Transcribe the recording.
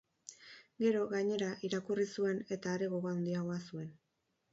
Gero, gainera, irakurri zuen, eta are gogo handiagoa zuen.